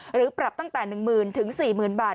หรือปรับตั้งแต่๑๐๐๐๔๐๐๐บาท